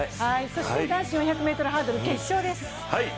そして男子４００ｍハードル決勝です。